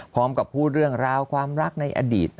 พร้อมกับพูดเรื่องราวความรักในอดีต